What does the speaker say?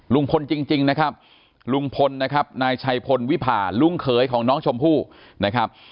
ลุงพลจริงนะครับลุงพลนะครับนายชัยพลวิพาลุงเขยของน้องชมพู่นะครับ